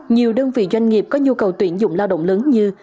nhiều đơn vị doanh nghiệp có nhu cầu tuyển dụng lao động lớn như